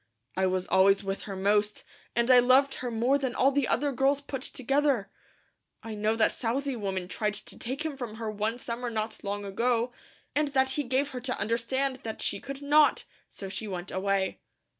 I was always with her most, and I loved her more than all the other girls put together. I know that Southey woman tried to take him from her one summer not long ago, and that he gave her to understand that she could not, so she went away.